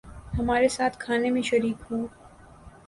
ہمارے ساتھ کھانے میں شریک ہوں